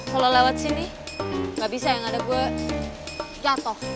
kalo lewat sini gak bisa yang ada gue jatoh